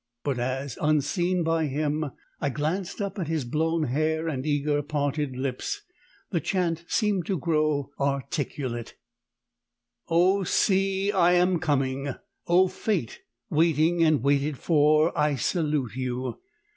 But as, unseen by him, I glanced up at his blown hair and eager parted lips, the chant seemed to grow articulate "O Sea, I am coming! O fate, waiting and waited for, I salute you!